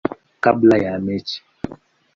kabla ya mechi.